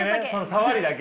さわりだけ。